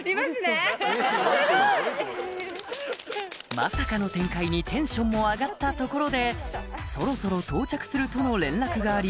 まさかの展開にテンションも上がったところでそろそろ到着するとの連絡があり